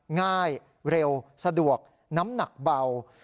ง่ายเร็วสะดวกน้ำหนักเบา